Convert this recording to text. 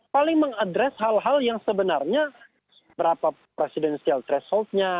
paling mengadres hal hal yang sebenarnya berapa presidensial thresholdnya